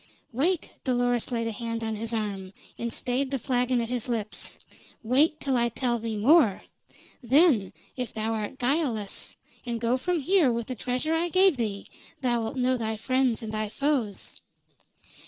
"Wait!" Dolores laid a hand on his arm, and stayed the flagon at his lips. "Wait, till I tell thee more. Then, if thou art guiltless, and go from here with the treasure I gave thee, thou'lt know thy friends and thy foes.